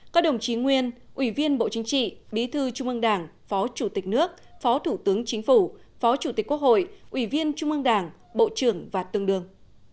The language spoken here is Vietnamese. các đồng chí nguyên ủy viên bộ chính trị bí thư trung ương đảng phó chủ tịch nước phó thủ tướng chính phủ phó chủ tịch quốc hội ủy viên trung ương đảng bộ trưởng và tương đương